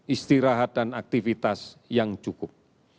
istirahat dan aktivitas yang cukup